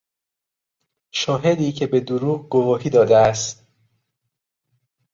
شاهدی که به دروغ گواهی داده است